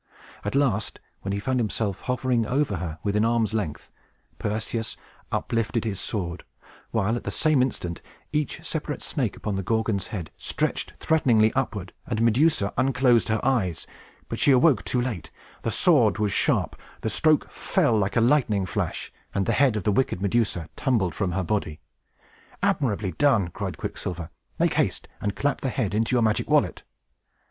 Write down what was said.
At last, when he found himself hovering over her within arm's length, Perseus uplifted his sword, while, at the same instant, each separate snake upon the Gorgon's head stretched threateningly upward, and Medusa unclosed her eyes. But she awoke too late. The sword was sharp; the stroke fell like a lightning flash; and the head of the wicked Medusa tumbled from her body! "Admirably done!" cried Quicksilver. "Make haste, and clap the head into your magic wallet."